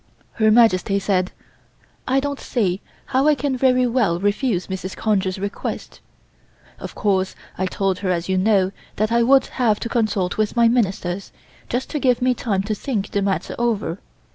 Her Majesty said: "I don't see how I can very well refuse Mrs. Conger's request. Of course I told her, as you know, that I would have to consult with my Ministers, just to give me time to think the matter over.